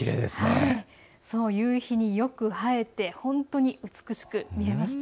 夕日によく映えて本当に美しく見えました。